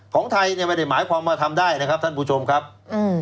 ของไทยเนี่ยไม่ได้หมายความว่าทำได้นะครับท่านผู้ชมครับอืม